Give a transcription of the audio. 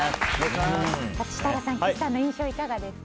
設楽さん、岸さんの印象いかがですか？